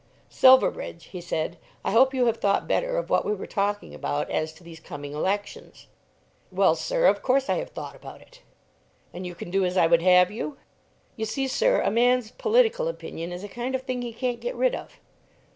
"Silverbridge," he said, "I hope you have thought better of what we were talking about as to these coming elections." "Well, sir; of course I have thought about it." "And you can do as I would have you?" "You see, sir, a man's political opinion is a kind of thing he can't get rid of."